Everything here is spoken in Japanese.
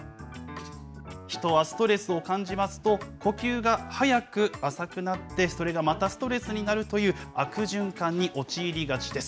人はストレスを感じますと、呼吸が速く浅くなって、それがまたストレスになるという、悪循環に陥りがちです。